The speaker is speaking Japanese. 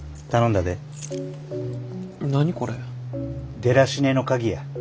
デラシネの鍵や。